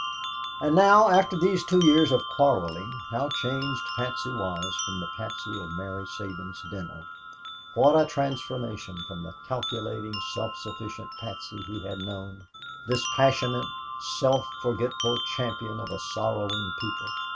And now, after these two years of quarreling, how changed Patsy was from the Patsy of Mary Sabins' dinner! What a transformation from the calculating, self sufficient Patsy he had known this passionate, self forgetful champion of a sorrowing people!